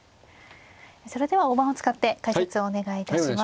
それでは大盤を使って解説をお願いいたします。